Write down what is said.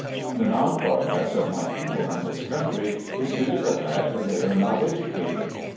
The non progress of my people in this country is due to the fact that they are not educated.